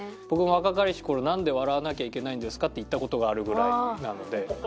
僕も若かりし頃「なんで笑わなきゃいけないんですか？」って言った事があるぐらいなので。